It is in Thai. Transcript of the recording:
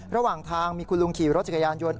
ระหว่างทางมีคุณลุงขี่รถจักรยานยนต์